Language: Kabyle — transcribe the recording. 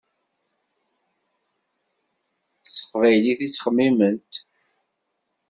S teqbaylit i ttxemmiment.